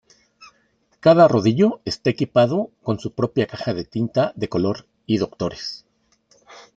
Cada rodillo está equipado con su propia caja de tinta de color y "doctores".